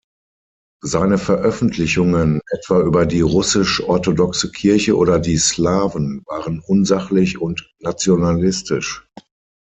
Seine Veröffentlichungen, etwa über die Russisch-orthodoxe Kirche oder die Slawen waren unsachlich und nationalistisch.